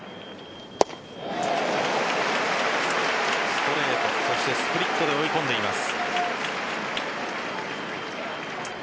ストレートそしてスプリットで追い込んでいます。